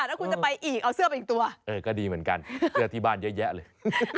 แล้วคุณจะไปอีกเอาเสื้อไปอีกตัวเออก็ดีเหมือนกันเสื้อที่บ้านเยอะแยะเลย